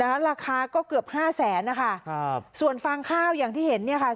ราคาก็เกือบห้าแสนนะคะครับส่วนฟางข้าวอย่างที่เห็นเนี่ยค่ะ